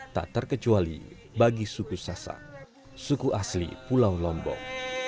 tak terkecuali bagi suku sasak suku asli pulau lombok